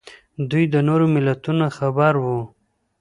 دوی د نورو ملتونو نه خبر وو